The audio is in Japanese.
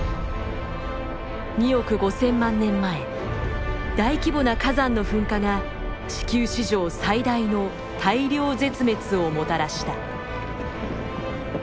２億５，０００万年前大規模な火山の噴火が地球史上最大の大量絶滅をもたらした。